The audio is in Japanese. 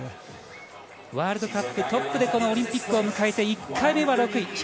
ワールドカップトップでこのオリンピックを迎えて１回目は６位。